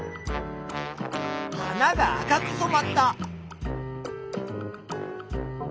花が赤くそまった。